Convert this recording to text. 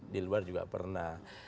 di luar juga pernah